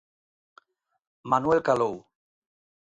Manuel calou.